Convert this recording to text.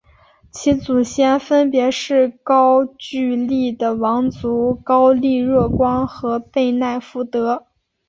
其祖先分别是高句丽的王族高丽若光和背奈福德。